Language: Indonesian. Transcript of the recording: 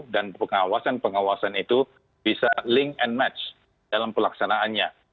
dan pengawasan pengawasan itu bisa link and match dalam pelaksanaannya